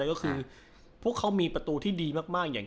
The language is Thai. ซึ่งไม่รู้เหมือนกันว่าทำไมถึงทำแบบนี้นะครับ